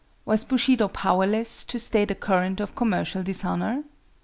Was Bushido powerless to stay the current of commercial dishonor?